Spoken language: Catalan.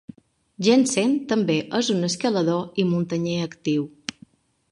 Jenssen també és un escalador i muntanyer actiu.